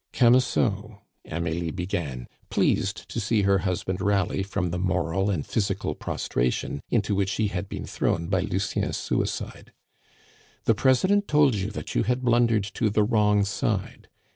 "Camusot," Amelie began, pleased to see her husband rally from the moral and physical prostration into which he had been thrown by Lucien's suicide, "the President told you that you had blundered to the wrong side.